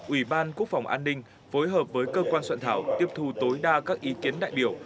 ủy ban quốc phòng an ninh phối hợp với cơ quan soạn thảo tiếp thu tối đa các ý kiến đại biểu